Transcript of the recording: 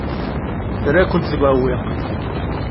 Terra-kent deg uɛewwiq.